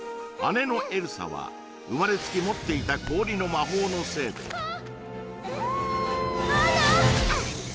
姉のエルサは生まれつき持っていた氷の魔法のせいでアナ！